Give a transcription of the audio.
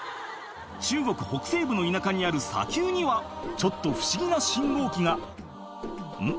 中国北西部の田舎にある砂丘にはちょっと不思議な信号機がん？